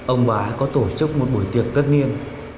ông bà ấy có tổ chức một buổi tiệc tất niên